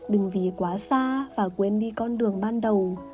đừng vì quá xa và quên đi con đường ban đầu